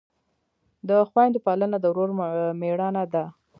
د خویندو پالنه د ورور مړانه ده.